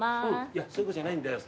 いやそういうことじゃないんだよ！